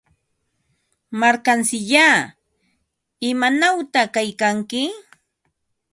Markamsillaa, ¿imanawta kaykanki?